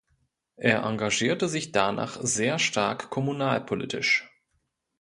Er engagierte sich danach sehr stark kommunalpolitisch.